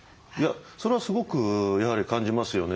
それはすごくやはり感じますよね。